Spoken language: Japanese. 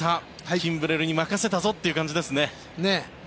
キンブレルに任せたぞという感じですね。